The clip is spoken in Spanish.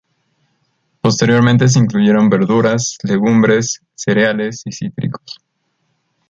Posteriormente se incluyeron verduras, legumbres, cereales y cítricos.